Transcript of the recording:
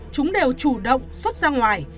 chúng đều chủ động xuất ra ngoài